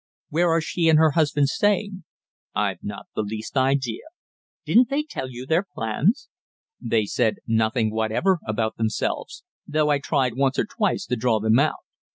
Where are she and her husband staying?" "I've not the least idea." "Didn't they tell you their plans?" "They said nothing whatever about themselves, though I tried once or twice to draw them out.